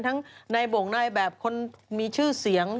ทั้งนายบ่งนายแบบคนมีชื่อเสียง